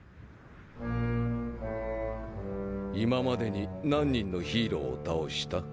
今までに何人のヒーローを倒した？